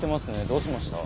どうしました？